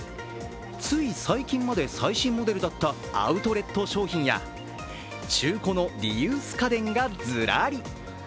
つい最近まで最新モデルだったアウトレット商品や、中古のリユース家電がずらり。